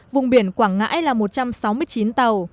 vùng biển quảng ngãi là một trăm sáu mươi chín tàu